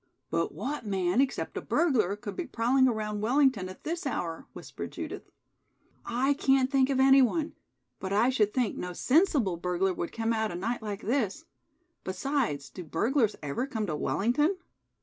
"But what man except a burglar could be prowling around Wellington at this hour?" whispered Judith. "I can't think of anyone, but I should think no sensible burglar would come out a night like this. Besides, do burglars ever come to Wellington?"